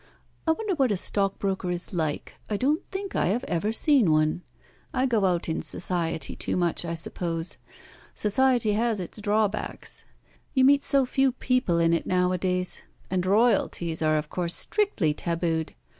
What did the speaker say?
I wonder what a stockbroker is like. I don't think I have ever seen one. I go out in Society too much, I suppose. Society has its drawbacks. You meet so few people in it nowadays, and Royalties are of course strictly tabooed.